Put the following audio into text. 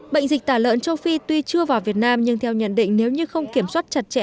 bệnh dịch tả lợn châu phi tuy chưa vào việt nam nhưng theo nhận định nếu như không kiểm soát chặt chẽ